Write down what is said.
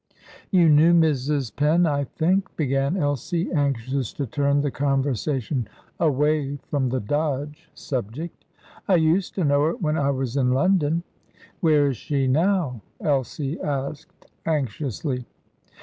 "You knew Mrs. Penn, I think?" began Elsie, anxious to turn the conversation away from the Dodge subject. "I used to know her when I was in London." "Where is she now?" Elsie asked anxiously.